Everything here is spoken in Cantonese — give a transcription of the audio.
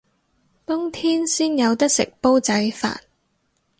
冬天先有得食煲仔飯